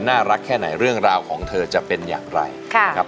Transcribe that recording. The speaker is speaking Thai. น่ารักแค่ไหนเรื่องราวของเธอจะเป็นอย่างไรนะครับ